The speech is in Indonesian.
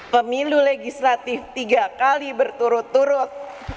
pemilu legislatif tiga kali berturut turut